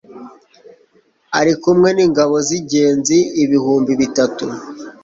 ari kumwe n'ingabo z'ingenzi ibihumbi bitatu